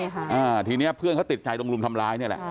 ใช่ค่ะอ่าทีนี้เพื่อนเขาติดใจตรงรุมทำร้ายเนี่ยแหละ